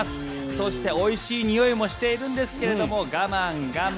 そして、おいしいにおいもしているんですけど我慢、我慢。